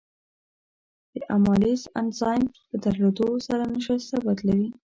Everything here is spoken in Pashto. د امایلیز انزایم په درلودو سره نشایسته بدلوي.